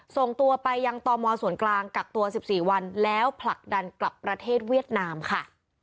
ส่งตัวไปยังตมส่วนกลางกักตัว๑๔วันแล้วผลักดันกลับประเทศเวียดนามค่ะ